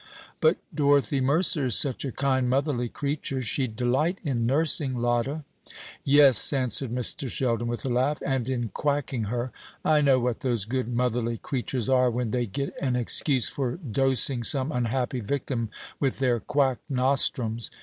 "But Dorothy Mercer is such a kind motherly creature; she'd delight in nursing Lotta." "Yes," answered Mr. Sheldon, with a laugh, "and in quacking her. I know what those good motherly creatures are when they get an excuse for dosing some unhappy victim with their quack nostrums.